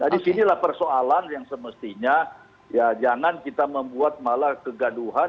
nah disinilah persoalan yang semestinya ya jangan kita membuat malah kegaduhan